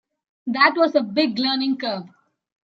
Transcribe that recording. That was a big learning curve.